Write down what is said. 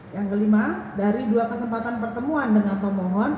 yang kelima dari dua kesempatan pertemuan dengan pemohon